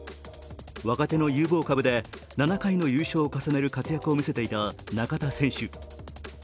若手の有望株で、７回の優勝を重ねる活躍を見せていた中田選手。